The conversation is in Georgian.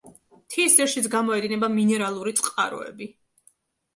მთის ძირშიც გამოედინება მინერალური წყაროები.